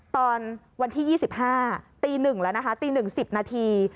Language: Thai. ตอนวันที่๒๕ตี๑แล้วนะคะตี๑๐นาที